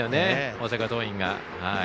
大阪桐蔭が。